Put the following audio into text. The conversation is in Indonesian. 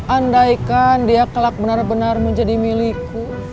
andaikan dia kelak benar benar menjadi milikku